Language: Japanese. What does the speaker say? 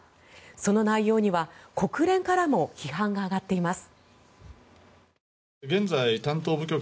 その内容には国連からも批判が上がっています。